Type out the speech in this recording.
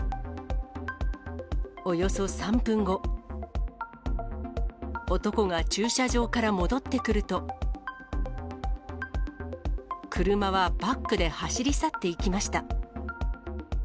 およそ３分後、男が駐車場から戻ってくると、車はバックで走り去っていきました。